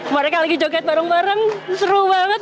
mereka lagi joget bareng bareng seru banget